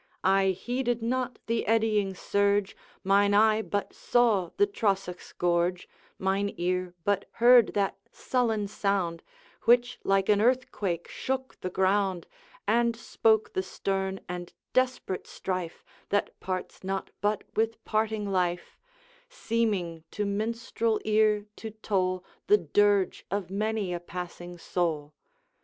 I heeded not the eddying surge, Mine eye but saw the Trosachs' gorge, Mine ear but heard that sullen sound, Which like an earthquake shook the ground, And spoke the stern and desperate strife That parts not but with parting life, Seeming, to minstrel ear, to toll The dirge of many a passing soul.